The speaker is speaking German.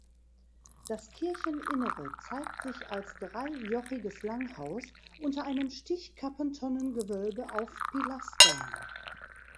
Das Kircheninnere zeigt sich als dreijochiges Langhaus unter einem Stichkappentonnengewölbe auf Pilastern.